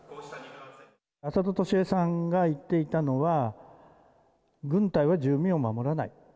安里要江さんが言っていたのは、軍隊は住民を守らない。